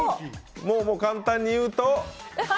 もう簡単に言うと？